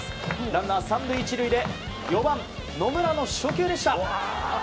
ランナー３塁１塁で４番、野村の初球でした。